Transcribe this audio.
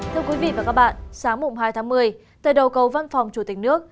thưa quý vị và các bạn sáng mùng hai tháng một mươi tại đầu cầu văn phòng chủ tịch nước